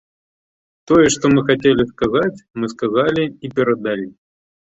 Тое, што мы хацелі сказаць, мы сказалі і перадалі.